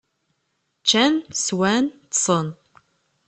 Ččan, sswan, ṭṭsen.